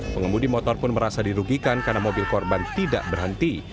pengemudi motor pun merasa dirugikan karena mobil korban tidak berhenti